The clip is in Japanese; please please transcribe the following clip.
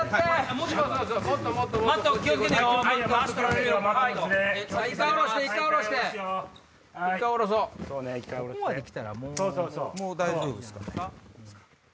もう大丈夫ですかね。